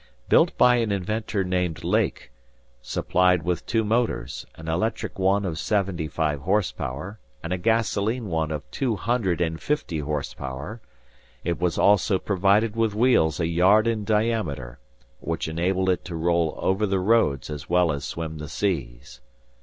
Built by an inventor named Lake, supplied with two motors, an electric one of seventy five horse power, and a gasoline one of two hundred and fifty horse power, it was also provided with wheels a yard in diameter, which enabled it to roll over the roads, as well as swim the seas.